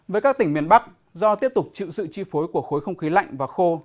với các tỉnh miền bắc do tiếp tục chịu sự chi phối của khối không khí lạnh và khô